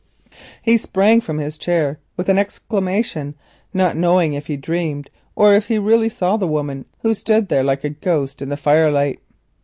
He sprang from his chair with an exclamation, not knowing if he dreamed or if he really saw the woman who stood there like a ghost in the firelight.